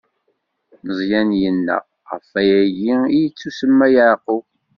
Meẓyan yenna: Ɣef wayagi i yettusemma Yeɛqub!